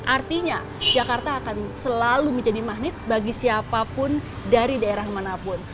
artinya jakarta akan selalu menjadi magnet bagi siapapun dari daerah manapun